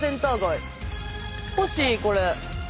欲しいこれ。